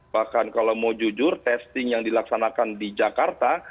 bahkan kalau mau jujur testing yang dilaksanakan di jakarta